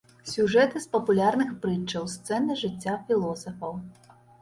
Сюжэты з папулярных прытчаў, сцэны з жыцця філосафаў.